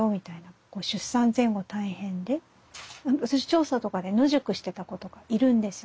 私調査とかで野宿してた子とかいるんですよ。